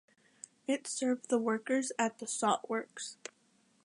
It served the workers at the salt works.